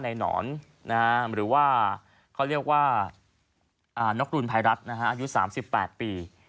นายหนอนหรือว่าเขาเรียกว่าอ่านกรุณภายรัฐนะฮะอายุสามสิบแปดปี